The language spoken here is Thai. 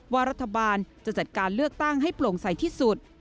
ว่ารัฐบาลจะจัดการเลือกตั้งให้โปร่งใสที่สุด